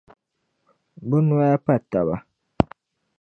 Bɛ nɔya pa taba.